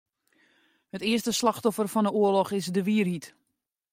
It earste slachtoffer fan 'e oarloch is de wierheid.